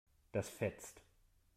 Das fetzt.